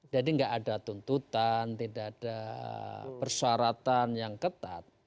jadi enggak ada tuntutan tidak ada persyaratan yang ketat